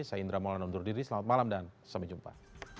saya indra maulana undur diri selamat malam dan sampai jumpa